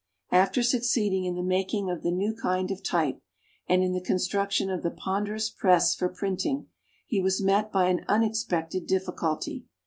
After succeeding in the making of the new kind of type, and in the construction of the ponderous press for printing, he was met by an unexpected difficulty.